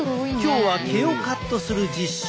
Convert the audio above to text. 今日は毛をカットする実習。